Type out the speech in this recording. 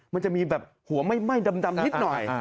มันจะมีแบบหัวไหม้ดำนิดหน่อย